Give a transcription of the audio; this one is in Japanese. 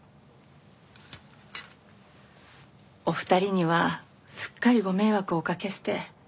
お二人にはすっかりご迷惑をおかけして。